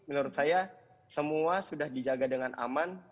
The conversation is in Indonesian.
menurut saya semua sudah dijaga dengan aman